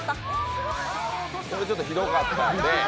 これ、ちょっとひどかったので。